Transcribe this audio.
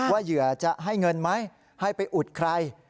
เหยื่อจะให้เงินไหมให้ไปอุดใคร